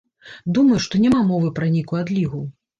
Думаю, што няма мовы пра нейкую адлігу.